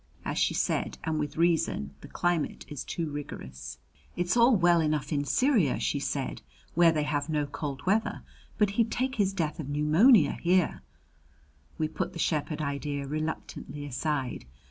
As she said, and with reason, the climate is too rigorous. "It's all well enough in Syria," she said, "where they have no cold weather; but he'd take his death of pneumonia here." We put the shepherd idea reluctantly aside.